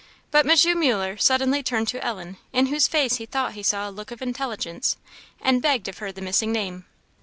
But M. Muller suddenly turned to Ellen, in whose face he thought he saw a look of intelligence, and begged of her the missing name.